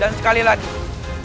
dari sekutu sekutu kita